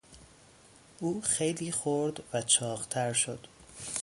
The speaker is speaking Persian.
او خیلی خورد و چاقتر شد.